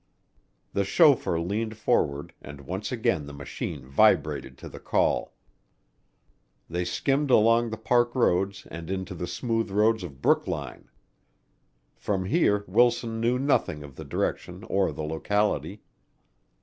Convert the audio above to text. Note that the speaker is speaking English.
The chauffeur leaned forward and once again the machine vibrated to the call. They skimmed along the park roads and into the smooth roads of Brookline. From here Wilson knew nothing of the direction or the locality.